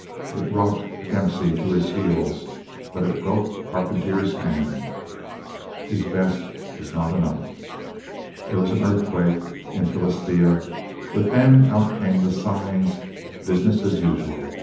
It rocked Dempsey to his heels, but it broke Carpentier's hand. His best was not enough. There was an earthquake in Philistia but then out came the signs "Business as usual!"